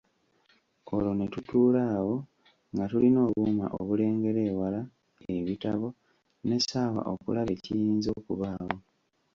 Olwo ne tutuula awo nga tulina obuuma obulengera ewala, ebitabo, n’essaawa okulaba ekiyinza okubaawo.